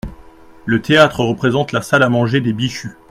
Le théâtre représente la salle à manger des Bichu.